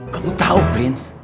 kamu tau prince